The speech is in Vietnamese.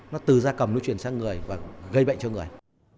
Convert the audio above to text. nó từ da cầm nó chuyển sang người và gây bệnh cho người